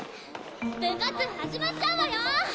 部活始まっちゃうわよ！